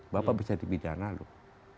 bapak bisa dibidana loh